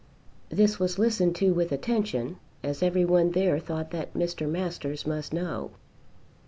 This was listened to with attention, as every one there thought that Mr. Masters must know.